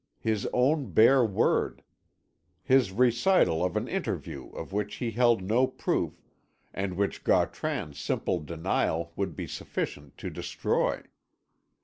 His own bare word his recital of an interview of which he held no proof, and which Gautran's simple denial would be sufficient to destroy.